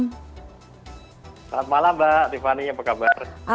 selamat malam mbak tiffany apa kabar